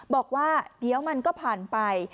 บอกว่าเดี๋ยวมันก็ผ่านไป